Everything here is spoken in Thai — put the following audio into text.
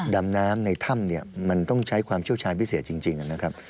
ดำน้ำในถ้ำเนี่ยมันต้องใช้ความเชี่ยวชาญพิเศษจริงนะครับ